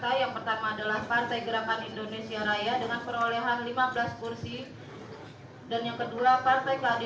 keadilan sejahtera dengan perolehan